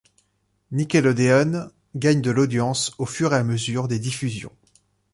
Nickelodeon gagne de l'audience au fur et à mesure des diffusions.